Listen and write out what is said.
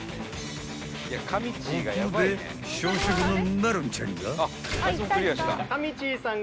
［ここで小食のマロンちゃんが］